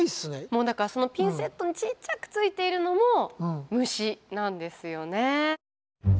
もうだからそのピンセットにちっちゃくついているのも虫なんですよね。